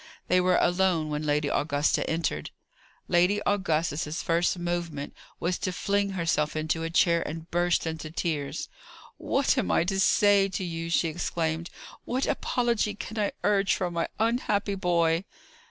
They were alone when Lady Augusta entered. Lady Augusta's first movement was to fling herself into a chair and burst into tears. "What am I to say to you?" she exclaimed. "What apology can I urge for my unhappy boy?"